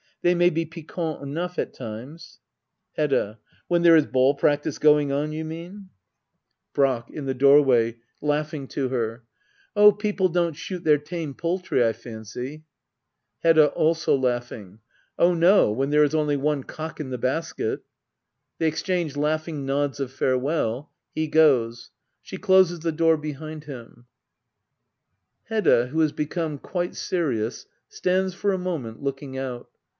They may be piquant enough at times. Hedda. When there is ball practice going on, you mean ? Digitized by Google 140 HEDDA OABLER. [aCT III. Brack. [In the doorway, latching to her.'] Oh^ people don't shoot their tame poultry^ I fancy. Hedda. [Also laughing,'] Oh no, when there is only one cock in the basket [They exchange latighing nods of farewell. He goes. She closes the door behind him, [Hedda, n^Ao has become quite serious, stands for a moment looking out.